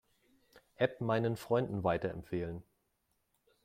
App meinen Freunden weiterempfehlen.